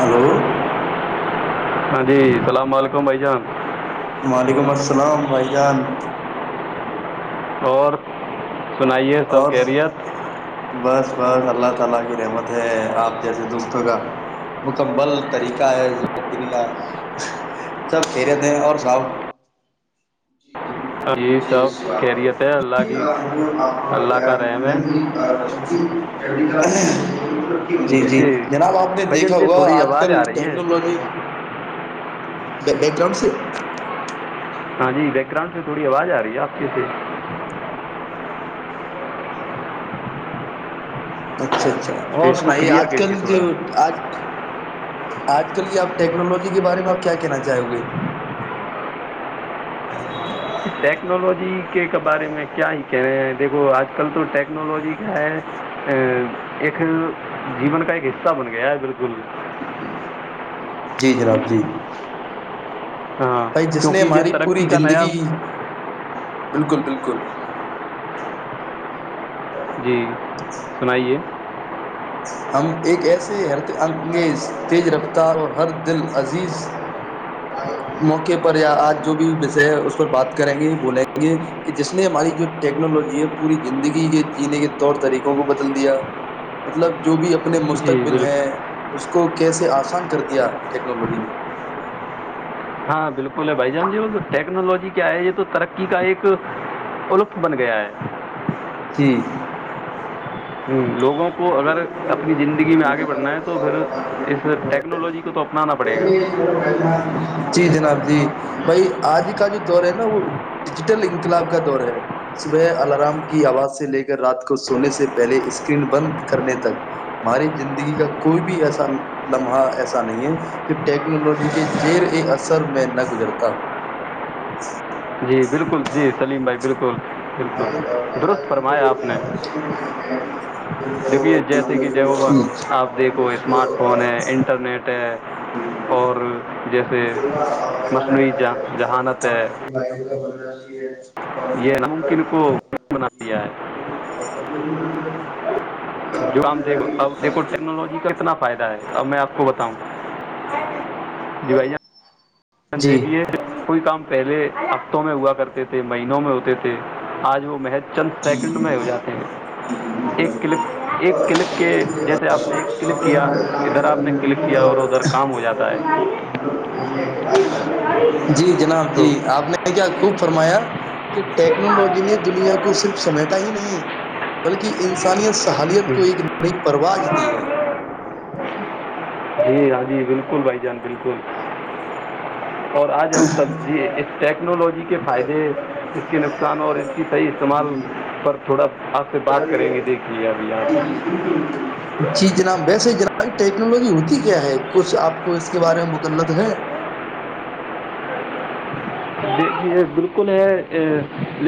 hello ہاں جی اللام و علیکم بھائی جان وعلیکم السلام بائی جان [unintelligible] سنائیے سب اور کیریت [unintelligible] جی سب جی بکلات خیریت ہے اللہ ج کی آپ اللہ کا رحم ہے گی کراؤا ملب جی جی جناب آپ نے بھائی جان دیکھا جی ہوگا تھوڑی آج آواز کل آ رہی ہے ٹیکنالوجی بیک گراؤنڈ سے ہاں جی بیک گراؤنڈ سے تھوڑی آواز آ رہی ہے آپ کےے اچھا اچھا تو اور اس کو سنائیے کلیئر آج کل کریے جو تھوڑا آج آج کل کی آپ ٹیکنالوجی کے بارے میں آپ کیا کہنا چاہو گے ٹیکنالوجی کے بارے میں کیا ہی کہہ رہے ہیں دیکھو آج کل تو ٹیکنالوجی کیا ہے ایک جیون کا ایک حصہ بن گیا ہے بالکل جی جناب جی ہاں بھائی جس نے کیونکہ یہ ہماری ترقی پوری کا نیا زندگی بالکل بالکل جی سنائیے ہم ایک ایسے ہرگ تیز رفتار اور ہر دل عزیز موقع پر یا آج جو بھی وشے ہے اس پر بات کریں گے بولیں گے کہ جس نے ہماری جو ٹیکنالوجی ہے پوری زندگی کے جینے کے طور طریقوں کو بدل دیا مطلب جو بھی اپنے جی مستقبل بالکل ہیں اس کو کیسے آسان کر دیا ٹیکنالوجی نے [unintelligible] جی جی [unintelligible] جناب جی بھائی آج کا جو دور ہے نا وہ ڈیجیٹل انقلاب کا دور ہے صبح الارام کی آواز سے لے کر رات کو سونے سے پہلے اس اسرین بند کرنے تک ہماری زندگی کا کوئی بھی ایسا لمحہ ایسا نہیں ہے جو ٹیکنالوجی کے زیر اثر میں نہ گزرتا ہو جی بالکل جی سلیم بھائی بالکل بالکل ہمارے درست اللہ جی کے فرمایا آپ نے بچے میں دکھا گیا ہے دیکھیے جیسے کہ ج آپ دیکھو اسمارٹ فون ہے انٹرنیٹ ہے جی اور جیسے رسولہ فائدہ مصنوعی اس کا جہانت دماغ ہے کو بھی بائک بننای ہے [unintelligible] اور یہ ج [unintelligible] ناممکن کو بنا دیا ہے قبول [unintelligible] کبھی جو ہونا ہم دیکھ چاہیے اب دیکھو ٹیکنالوجی کا اتنا فائدہ ہے اب میں آپ کو بتاؤں جی بھائی جان جی دندے کی یہ کوئی کام پہلے ہفتوں میں ہوا کرتے تھے مہینوں میں ہوتے تھے آج وہ محت چند جی جی سیکنڈ جی میں ہو جاتے ہیں ایک کلک ایک کلک کے جیسے آپ نے ایک کلک کیا ادھر آپ نے کلک کیا اور ادھر کام ہو جاتا ہے جی جناب جی تو آپ نے کیا خب فرمایا کہ ٹیکنالوجی نے دنیا کو سمیٹا ہی نہیں ہے بلکہ انسانیت سے حالیت کو ایک نئی پرواز دی ہے [unintelligible] جی ہاں جی بالکل بھائی جان بالکل اور آج ہم سب جی اس ٹیکنالوجی کے فائدے اس کے نقصان اور اس کی صحیح استعمال پر تھوڑا آپ سے بات کریں گے دیکھیے ابھی یہاں جی جناب ویسے جناب یہ ٹیکنالوجی ہوتی کیا ہے کچھ آپ کو اس کے بارے میں مک کلت ہے [unintelligible] دیک بالکل ہے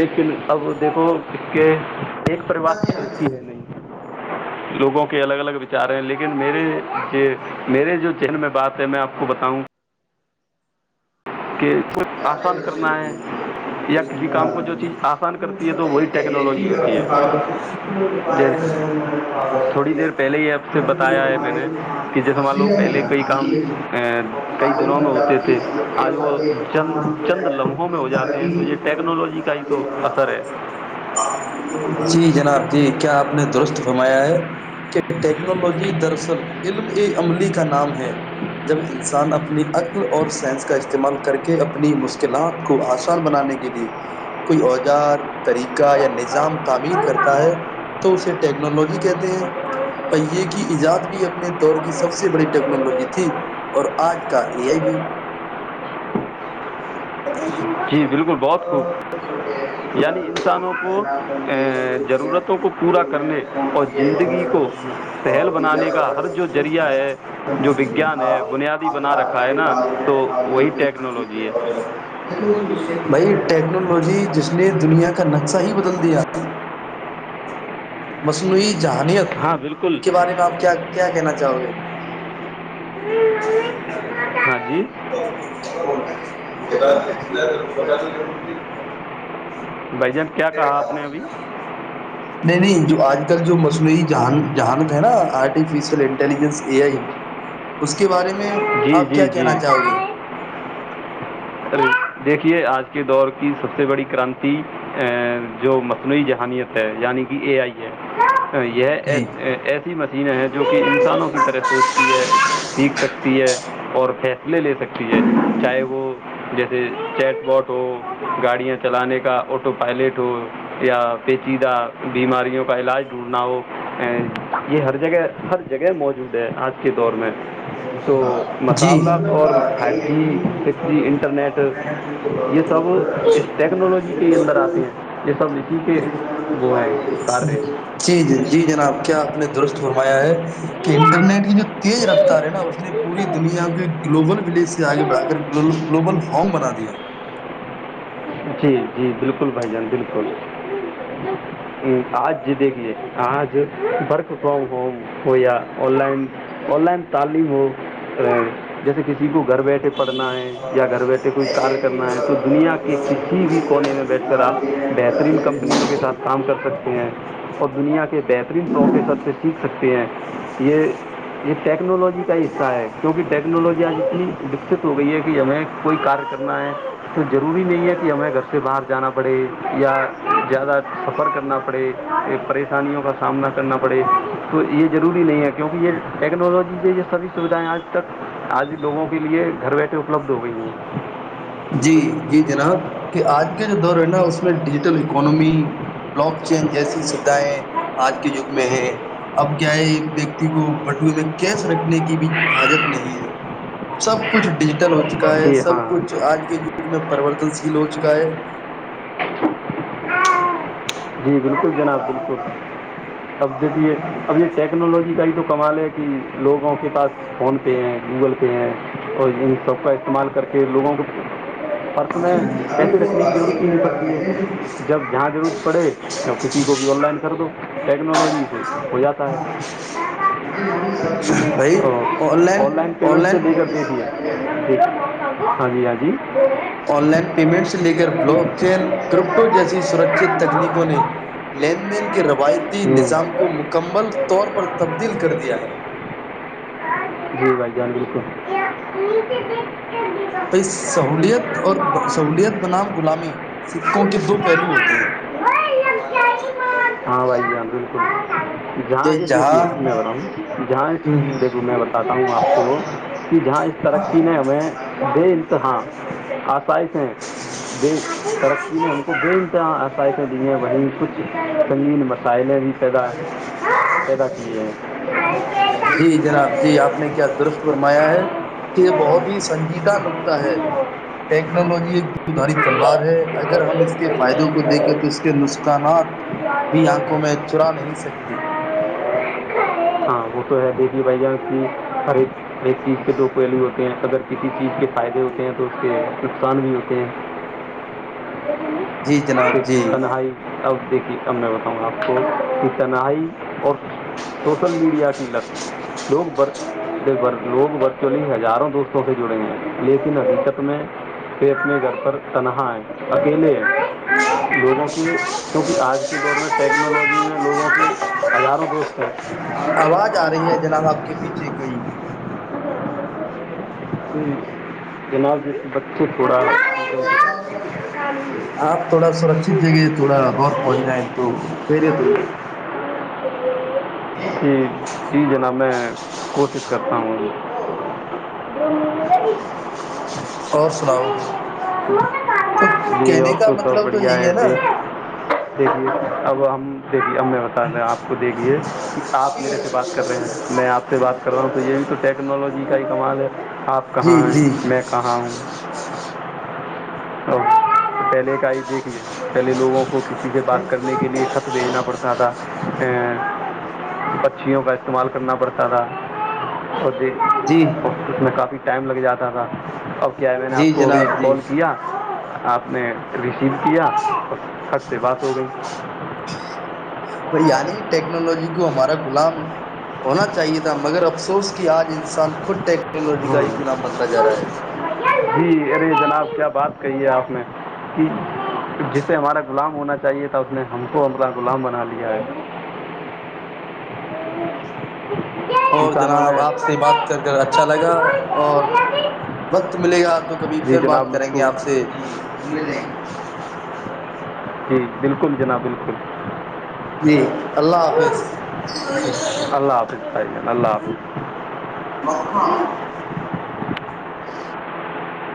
لیکن اب دیکھو کے ایک پرریوا ہاں جی ہاں توچتی ہے نہیں [unintelligible] لوگوں کے الگ الگ وچار ہیں لیکن میرے جی میرے جو چن میں بات میں آپ کو بتاؤں کہ کچھ آسان کرنا ہے یا کسی کام کو جو چیز آسان کرتی ہے تو وہی ٹیکنالوجی ہوتی ہے جیسے تھوڑی دیر پہلے ہی آپ سے بتایا ہے میں نے کہ جیسے مان لو پہلے کئی کام کئی دنوں میں ہوتے تھے [inaudible] آج وہ چند چند لمحوں میں ہو جاتے ہیں تو یہ ٹیکنالوجی کا ہی تو اثر ہے جی جناب [unintelligible] جی کیا آپ نے درست فرمایا ہے کہ ٹیکنالوجی دراصل علم ا عملی کا نام ہے جب انسان اپنی عقل اور سائنس استعمال کر کے اپنی مشکلات کو آسان بنانے کے لیے کوئی اوزار طریقہ یا نظام تعمیر کرتا ہے تو اسے ٹیکنالوجی کہتے ہیں پہیے کی ایجاد بھی اپنے دور کی سب سے بڑی ٹیکنالوجی تھی اور آج کا اے آئی بھی [unintelligible] جی بالکل بہت خوب یعنی انسانوں کو ضرورتوں کو پورا کرنے اور زندگی کو سہل بنانے کا ہر جو ذریعہ ہے جو وگیان ہے بنیادی بنا رکھا ہے نا تو [inaudible] وہی ٹیکنالوجی ہے بھائی ٹیکنالوجی جس نے دنیا کا نقشہ ہی بدل دیا مسلوی [unintelligible] جہانیت ہاں بالکل کے بارے میں آپ کیا کیا کہنا چاہتے جاؤ گے ہاں جی [unintelligible] [unintelligible] بھائی جان کیا کہا آپ نے ابھی نہیں نہیں جو آج کل جو مصنوعی جہانت ہے نا آرٹیفیشل انٹلیجنس ا آئی اس کے بارے میں میں جی آپ کیا جی جی کہنا چاہو گے بتائیں دیکھیے آج کے دور کی سب سے بڑی کرانتی جو مصنوعی جہانیت ہے یعنی کہ اے آئی ہے یہ جی ایسی مشینیں ہیں جو کہ انسانوں کی طرح سوچتی ہے سیکھ سکتی ہے اور لے لے سکتی ہے چاہے وہ جیسے چیٹ باٹ ہو گاڑیاں چلانے کا آٹو پائلٹ ہو یا پیچیدہ بیماریوں کا علاج ڈھونڈنا ہو یہ ہر جگہ ہر جگہ موجود آج کے دور میں جی تو جی مساولات اور فائیو جی جی سکس یہ سب اس ٹیکنالوجی کے اندر آتے ہیں یہ سب اسی کے وہ ہیں کاریہ ہیں جی جی جناب کیا اپنے درست فرمایا ہے کہ انٹرنیٹ کی جو تیز رفتار ہے نا اس نے پوری دنیا کے گلوبل ولیج سے آگے بڑھا کر گلوبل ہوم بنا دیا جی جی بالکل بھائی جان بالکل آج جی دیکھیے آج ورک فرام ہوم ہو یا آن لائن آن لائن تعلیم ہو جیسے کسی کو گھر بیٹھے پڑھنا ہے یا گھر بیٹھے کوئی کار کرنا ہے تو دنیا کی کسی بھی کونے میں بیٹھ کر آپ دیا بہترین کمپنیوں کے ساتھ کام کر سکتے ہیں اور دنیا بہترین پروفیسر سے سیکھ سکتے ہیں یہ یہ ٹیکس یکنالوج کا حصہ ہے کیک ٹیک ٹیکنالوجی آج اتنی وکست ہو گئی ہے کہ ہمیں کوئی کار کرنا ہے تو ضروری نہیں ہے کہ ہمیں گھر سے باہر جانا پڑے یا زیادہ سفر کرنا پڑے پریشانیوں کا سامنا کرنا پڑے تو یہ ضروری نہیں ہے کیونکہ یہ ٹیکنالوجی سے یہ سبھی سویدھائیں آج تک آج لوگوں کے لیے گھر بیٹھے اپلبدھ ہو گئی ہیں جی جی جناب کہ آج کا جو دور ہے نا اس میں digital economy blockchain جیسی سویدھائیں آج کے یگ میں ہے اب کیا ہے ویکتی کو بٹوے میں کیش رکھنے کی بھی حجت نہیں ہے سب کچھ ڈیجٹ ل ہو چکا ہے جی ہاں سب کچھ آج کل پرریورتن شیل ہو چکا ہے جی بالکل جناب بالکل اب دیکھیے اب یہ ٹیکنالوجی کا ہی تو کمال ہے کہ لوگوں کے پاس فون پے ہیں گوگل پے ہیں اور ان سب کا استعمال کر کے لوگوں کو اور اس میں پیسے رکھنے کی ضرورت ہی نہیں پڑتی ہے جب جہاں ضرور پڑھے تو کسی بھی آن لائن کر دو ٹیکنالوجی سے ہو جاتا ہے بھائی آن لائن اور آن پیمنٹ لائن سے لے کر دیکھیے دیکھ- ہاں جی ہاں جی آن لائن پیمنٹ سے لے کر بلک چین کرپٹو جیسی سرچت تھا تکنیکوں نے لین دین کے روایتی نظام کو مکمل طور پر تبدیل کر دیا جی ہے ج بالکل سہولیت اور سہوولت بنام غلامی سکوں کے دو پہلو ہوتے ہیں ہاں بھائی جان بالکل جہاں اس دیکھیے میںا ہوں جہاں اس ہوں ہوں دیکھوں میں بتاتا ہوں آپ کو کہ جہاں اس ترقی نے میں بے انتہا اپ ائس ہیں د ترقی میں ان کو کئی امتحان یں دیے وہیں کچھ سنگین مسائل بھی پیدا پیدا کیے ہیں جی جناب جی آپ نے کیا درست فرمایا ہے کہ یہ بہت ہی سنجیدہ نکطہ ہے ٹیکنالوجی ایک د دھاری تلوار ہے اگر ہم اس کے فائدوں کو دیکھیں تو اس کے نقصانات بھی آنکھوں میں چرا نہیں سکتے جی بھائی جان کے ایک تیر سے دو پہلو ہوتے ہیں اگر کسی چیز کے فائدے ہوتے ہیں تو اس کے نقصان بھی ہوتے ہیں جی جناب جی تنہائی اب د اب میں بتاؤں آپ کو کہ تنہائی اور سوشل میڈیا کی لک لوگ لوگورگ ایکچولی ہزاروں دوستوں سے جڑے ہیں لیکن حقیقت میں پ اپنے گھر پر تنہا ہے اکیلے لوگوں کی کیونکہ آج کی دور میں ٹیکنالوجی میں لوگوں کے ہزاروں دوست ہیں آواز آ رہی ہے جناب آپ کے پیچھے کوئی جناب [inaudible] بچے تھوڑا آپ تھوڑا سرکشت جگہ تھوڑا اور پہنچ جائیں تو خیریت ہوگا جی جی جناب میں ہے کوشش کرتا ہوں [inaudible] [inaudible] اور سناؤ تو یہ اور کہنے کا تو سب مطلب بڑھیا یہی ہے نا د دیکھیے اب ہم دیکھیے اب میں بتا رہا آپ کو دیکھیے آپ میرے سے بات کر رہے ہیں میں آپ سے بات کر رہا ہوں تو یہ بھی تو ٹیکنالوجی کا ہی کمال ہیں آپ جی کہاں ہیں جی میں کہاں ہوں ا پہلے کا آئی دیکھیے پہلے لوگوں کو کسی سے بات کرنے کے لے خط بھیجنا پڑتا تھا پچیوں کا استعمال کرنا پڑتا تھا اور دیکھ جی اس میں کافی ٹائم لگ جاتا تھا اب کیا ہے میں نے جی آپ کو ابھی جناب جی کال کیا آپ نے ریسیو کیا اور کب سے بات ہو گئی یعنی ٹیکنالوجی کو ہمارا غلام ہونا چاہیے تھا مگر افسوس کہ آج انسان خود ٹیکن ہاں جی ارے جناب کیا بات کہی ہے آپ نے کہ جسے ہمارا غلام ہونا چاہیے تھا اس نے ہم کو اپنا غلام بنا لیا ہے اور انسانوں نے جناب آپ سے بات کر کر اچھا ل گا اور وقت ملے گا تو کبھی جی پھر جناب بات کریں گے مسکول آپ سے جے رہیں گے [unintelligible] ج بالکل جناب بالکل جی اللہ حافظ اللہ حافظ تاری اللہ حافظ [inaudible]